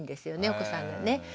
お子さんがね。